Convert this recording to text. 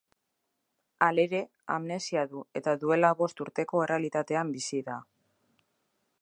Halere, amnesia du, eta duela bost urteko errealitatean bizi da.